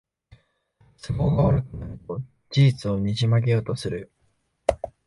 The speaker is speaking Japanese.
都合が悪くなると事実をねじ曲げようとする